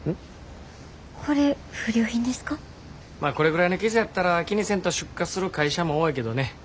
まあこれぐらいの傷やったら気にせんと出荷する会社も多いけどね